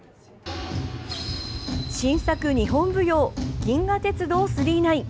新作「日本舞踊銀河鉄道９９９」。